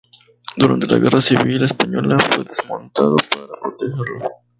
Durante la Guerra Civil Española, fue desmontado para protegerlo.